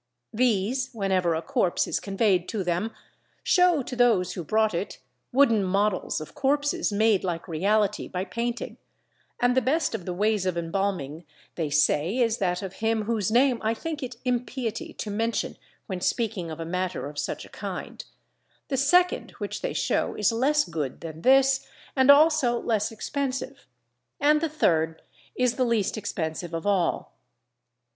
These, whenever a corpse is conveyed to them, show to those who brought it wooden models of corpses made like reality by painting, and the best of the ways of embalming they say is that of him whose name I think it impiety to mention when speaking of a matter of such a kind; the second which they show is less good than this and also less expensive; and the third is the least expensive of all.